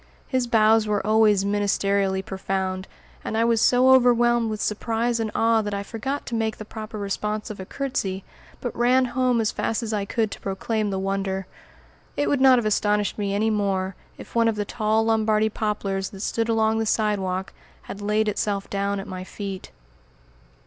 His bows were always ministerially profound, and I was so overwhelmed with surprise and awe that I forgot to make the proper response of a "curtsey," but ran home as fast as I could go to proclaim the wonder. It would not have astonished me any more, if one of the tall Lombardy poplars that stood along the sidewalk had laid itself down at my feet.